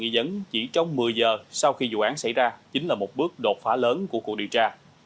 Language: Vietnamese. nghi dấn chỉ trong một mươi giờ sau khi vụ án xảy ra chính là một bước đột phá lớn của cuộc điều tra